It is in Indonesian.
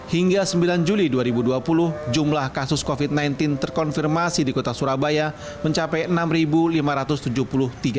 hingga sembilan juli dua ribu dua puluh jumlah kasus covid sembilan belas terkonfirmasi di kota surabaya mencapai enam lima ratus tujuh puluh tiga orang